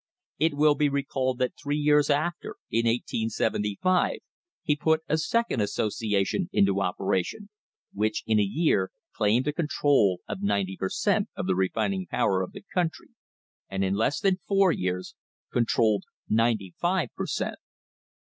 * It will be recalled that three years after, in 1875, he put a second association into operation, which in a year claimed a control of ninety per cent, of the refining power of the country, and in less than four years controlled ninety five per cent.